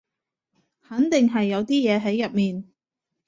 肯定係有啲嘢喺入面